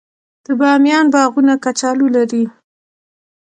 د بامیان باغونه کچالو لري.